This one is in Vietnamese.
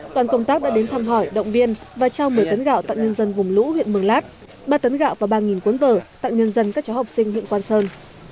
đoàn công tác đã đến thăm hỏi động viên và trao một mươi tấn gạo tặng nhân dân vùng lũ huyện mường lát ba tấn gạo và ba cuốn vở tặng nhân dân các cháu học sinh huyện quang sơn